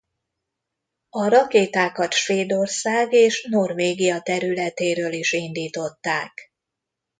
A rakétákat Svédország és Norvégia területéről is indították.